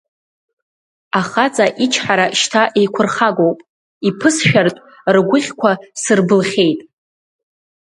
Ахаҵа ичҳара шьҭа еиқәырхагоуп, иԥысшәартә ргәыхьқәа сырбылхьеит.